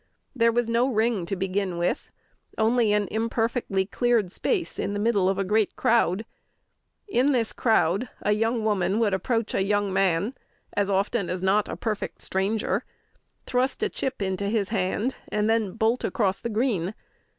There was no ring to begin with, only an imperfectly cleared space in the middle of a great crowd. In this crowd a young woman would approach a young man—as often as not a perfect stranger—thrust a chip into his hand, and then bolt across the green.